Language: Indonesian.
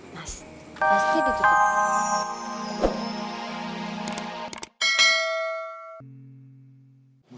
mas pasti ditutup